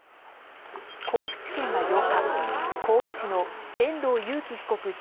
甲府地検は８日、甲府市の遠藤裕喜被告